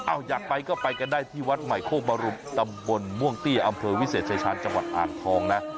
อยากไปก็ไปกันได้ที่วัดใหม่โคกบรุมตำบลม่วงเตี้ยอำเภอวิเศษชายชาญจังหวัดอ่างทองนะ